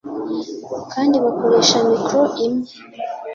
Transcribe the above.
kandi bakoresha mikoro imwe.